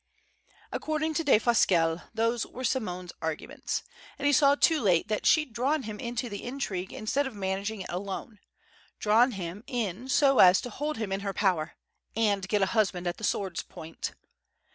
According to Defasquelle, those were Simone's arguments. And he saw too late that she'd drawn him into the intrigue instead of managing it alone, drawn him in so as to hold him in her power and get a husband at the sword's point!